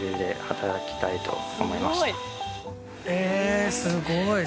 えすごい！